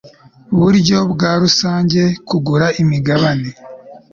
buryo bwa rusange kugura imigabane